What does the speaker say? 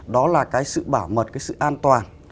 đó là cái sự bảo mật cái sự an toàn